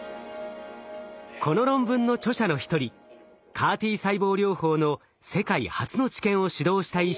この論文の著者の一人ＣＡＲ−Ｔ細胞療法の世界初の治験を主導した医師